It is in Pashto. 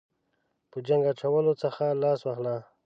په جنګ اچولو څخه لاس واخله.